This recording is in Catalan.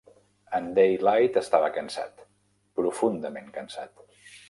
En Daylight estava cansat, profundament cansat.